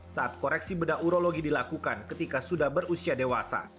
saat koreksi beda urologi dilakukan ketika sudah berusia dewasa